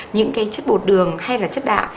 những cái chất bột đường hay là chất đạm